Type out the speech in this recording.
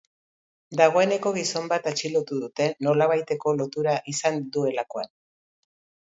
Dagoeneko gizon bat atxilotu dute, nolabaiteko lotura izan duelakoan.